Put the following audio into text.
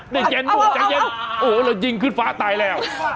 นี่ใจเย็นโอ้โหแล้วยิงขึ้นฟ้าตายแล้ว